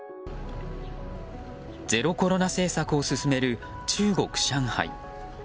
ゼロコロナ政策を進める中国・上海。